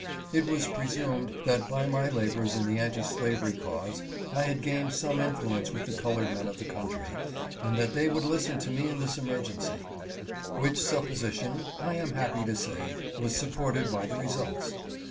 It was presumed that by my labors in the anti slavery cause, I had gained some influence with the colored men of the country, and that they would listen to me in this emergency; which supposition, I am happy to say, was supported by the results.